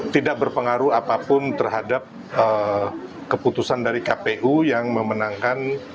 tidak berpengaruh apapun terhadap keputusan dari kpu yang memenangkan